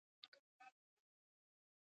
خلیفه ورته هک پک کتل حیران سو